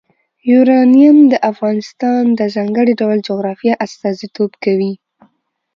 یورانیم د افغانستان د ځانګړي ډول جغرافیه استازیتوب کوي.